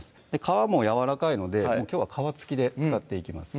皮もやわらかいのできょうは皮付きで使っていきます